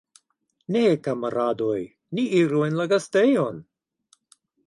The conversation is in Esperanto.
Ne, kamaradoj, ni iru en la gastejon!